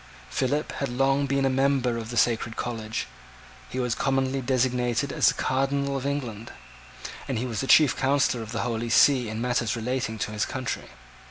Philip had long been a member of the sacred college: he was commonly designated as the Cardinal of England; and he was the chief counsellor of the Holy See in matters relating to his country.